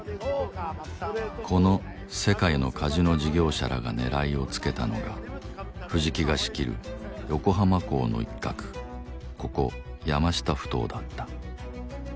この世界のカジノ事業者らが狙いをつけたのが藤木が仕切る横浜港の一画ここ山下ふ頭だった